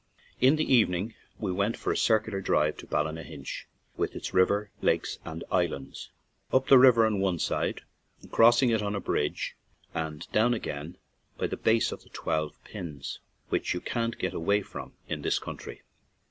In the evening we went for a circular drive to Ballynahinch, with its river, lakes, and islands — up the river on one side, crossing it on a bridge, and down again by the base of the Twelve Pins, which you can't get away from in this country.